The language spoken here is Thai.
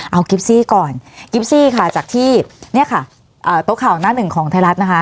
เอากิฟซี่ก่อนกิฟซี่ค่ะจากที่เนี่ยค่ะโต๊ะข่าวหน้าหนึ่งของไทยรัฐนะคะ